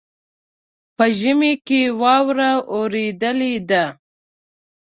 په ژمي کې واوره اوریدلې ده.